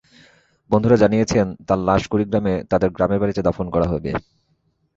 বন্ধুরা জানিয়েছেন, তাঁর লাশ কুড়িগ্রামে তাঁদের গ্রামের বাড়িতে দাফন করা হবে।